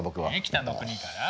「北の国から」？